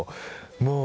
もう。